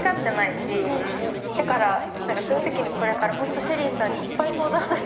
だからそういうときにこれからホントＳＨＥＬＬＹさんにいっぱい相談させてもらいたい。